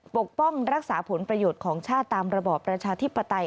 ปกป้องรักษาผลประโยชน์ของชาติตามระบอบประชาธิปไตย